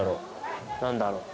何だろう？